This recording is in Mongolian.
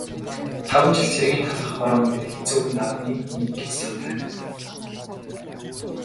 Таван жил цэргийн талх хорооно гэдэг хэцүүхэн давааны нэг гэж санаарай.